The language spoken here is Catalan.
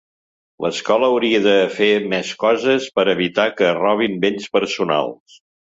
L'escola hauria de fer més coses per evitar que es robin béns personals.